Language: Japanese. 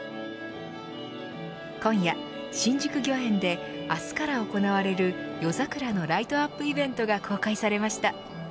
今夜、新宿御苑で明日から行われる夜桜のライトアップイベントが今回公開されました。